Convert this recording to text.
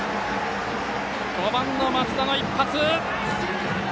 ５番の松田の一発。